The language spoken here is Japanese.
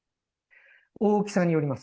大きさによります。